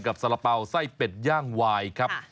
สาระเป๋าไส้เป็ดย่างวายครับ